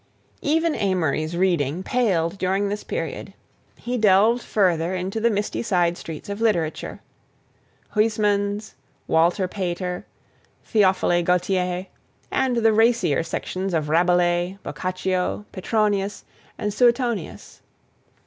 Even Amory's reading paled during this period; he delved further into the misty side streets of literature: Huysmans, Walter Pater, Theophile Gautier, and the racier sections of Rabelais, Boccaccio, Petronius, and Suetonius.